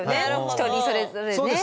人それぞれね。